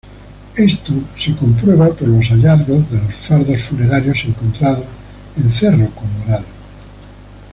Esto se comprueba por los hallazgos de los fardos funerarios encontrados en Cerro Colorado.